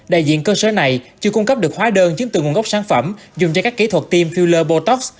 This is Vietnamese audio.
đại diện cơ sở này chưa cung cấp được khóa đơn chứng từ nguồn gốc sản phẩm dùng cho các kỹ thuật tiêm filler bồ tóc